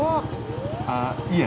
yaudah tunggu ya